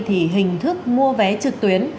thì hình thức mua vé trực tuyến